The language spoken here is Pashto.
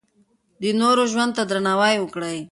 د نورو ژوند ته درناوی وکړئ.